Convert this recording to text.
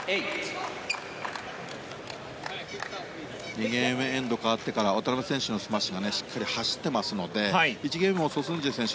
２ゲーム目エンドが変わってから渡辺選手のスマッシュがしっかり走ってますので１ゲーム目、ソ・スンジェ選手